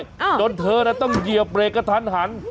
ฮืออจนเธอนะต้องเยียบเรกระทันหาล